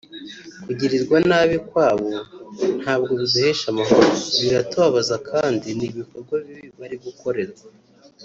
kugirirwa nabi kwabo ntabwo biduhesheje amahoro biratubabaza kandi ni ibikorwa bibi bari gukorerwa